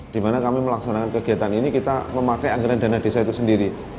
di mana kami melaksanakan kegiatan ini kita memakai anggaran dana desa itu sendiri